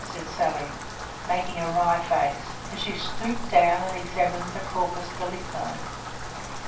said Sally, making a wry face, as she stooped down and examined the corpus delicti.